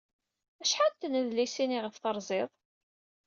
Acḥal n tnedlisin ayɣef terziḍ?